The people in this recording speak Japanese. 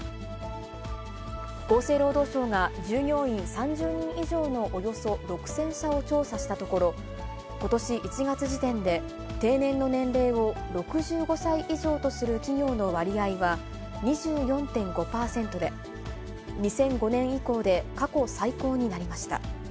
厚生労働省が、従業員３０人以上のおよそ６０００社を調査したところ、ことし１月時点で、定年の年齢を６５歳以上とする企業の割合は、２４．５％で、２００５年以降で過去最高になりました。